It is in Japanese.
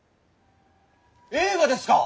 映画ですか！？